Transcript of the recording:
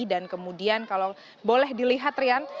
kemudian kalau boleh dilihat rian